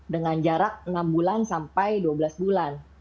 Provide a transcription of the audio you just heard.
dengan jarak enam bulan sampai dua belas bulan